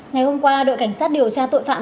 ngày hôm qua đội cảnh sát điều tra tội phạm